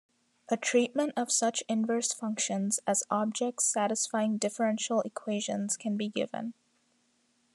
A treatment of such inverse functions as objects satisfying differential equations can be given.